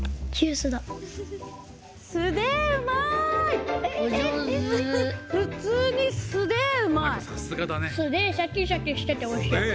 スデーシャキシャキしてておいしい。